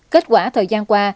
kết quả thời gian qua